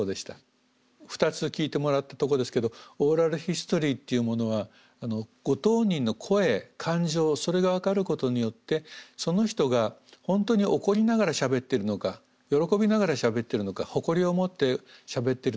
２つ聞いてもらったとこですけどオーラルヒストリーっていうものはご当人の声感情それが分かることによってその人が本当に怒りながらしゃべってるのか喜びながらしゃべってるのか誇りを持ってしゃべってるのか。